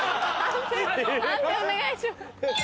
判定お願いします。